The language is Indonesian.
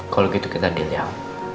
kalau gitu kita adil ya om